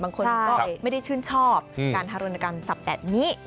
บางคนก็ไม่ได้ชื่นชอบการทารุณกรรมสัตว์แบบนี้